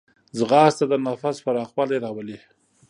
ځغاسته د نفس پراخوالی راولي